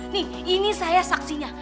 nih ini saya saksinya